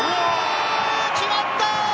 決まった！